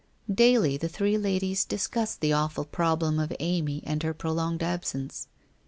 Daily the three ladies discussed the awful problem of Amy and her prolonged absence.